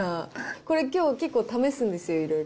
これ、きょう、結構試すんですよ、いろいろ。